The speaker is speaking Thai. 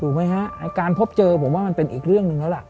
ถูกมั้ยฮะการพบเจอผมว่ามันเป็นอีกเรื่องนึงแล้วล่ะ